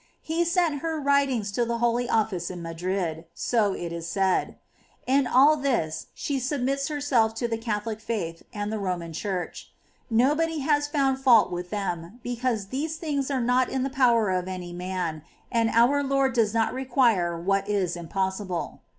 He sent her writings to the Holy Office in Madrid, so it is said. In all EE 418 s. Teresa's relations [rel. vii. this she submits herself to the Catholic faith and the Eoman Church. Nobody has found fault with them, because these things are not in the power of any man, and our Lord does not require what is impossible.